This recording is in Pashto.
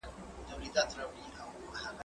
زه مخکي خبري کړې وې!